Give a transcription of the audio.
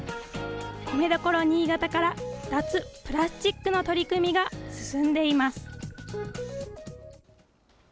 米どころ新潟から、脱プラスチックの取り組みが進んでいます。